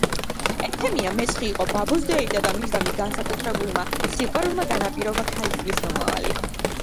ეფემია მესხი იყო ბაბოს დეიდა და მისდამი განსაკუთრებულმა სიყვარულმა განაპირობა ქალიშვილის მომავალი.